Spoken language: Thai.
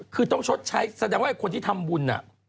คือต้องชดใช้แสดงว่าคนที่ทำบุญ